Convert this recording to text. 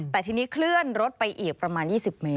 แต่ทีนี้เคลื่อนรถไปอีกประมาณ๒๐เมตร